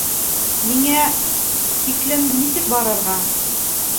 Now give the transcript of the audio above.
Миңә... тиклем нисек барырға?